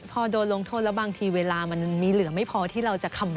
พอโดนลงโทษแล้วบางทีเวลามันมีเหลือไม่พอที่เราจะคำแ